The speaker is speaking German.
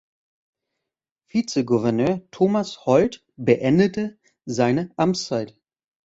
Vizegouverneur Thomas Holt beendete seine Amtszeit.